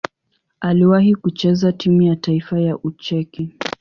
Aliwahi kucheza timu ya taifa ya Ucheki.